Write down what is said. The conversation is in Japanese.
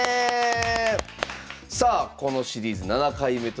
さあこのシリーズ７回目となります。